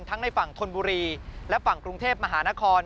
ในฝั่งธนบุรีและฝั่งกรุงเทพมหานคร